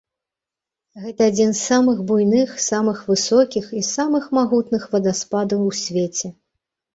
Гэта адзін з самых буйных, самых высокіх і самым магутных вадаспадаў у свеце.